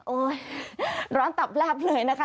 โอ๊ยร้อนตับราบเลยนะคะ